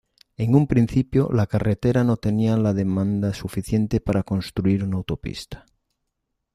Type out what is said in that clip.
En un principio la carretera no tenía la demanda suficiente para construir una autopista.